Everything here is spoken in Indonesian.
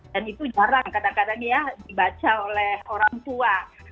dan itu jarang kadang kadang ya dibaca oleh orang tua